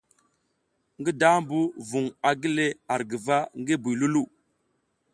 Ngi dambu vung a gile ar guva ngi buy Loulou.